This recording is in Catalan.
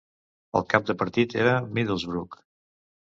El cap de partit era Middlesbrough.